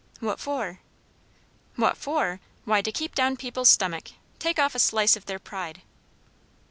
"What for?" "What for? Why, to keep down people's stomach; take off a slice of their pride."